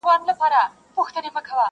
o يتيم په ژړا پوخ دئ٫